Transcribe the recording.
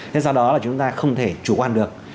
thế do đó là chúng ta không thể chủ quan được